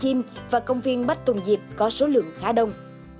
công viên bách tùng diệp và công viên bách tùng diệp có số lượng khá đông